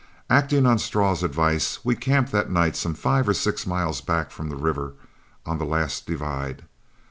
Acting on Straw's advice, we camped that night some five or six miles back from the river on the last divide.